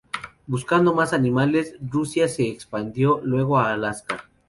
Buscando más animales, Rusia se expandió luego a Alaska.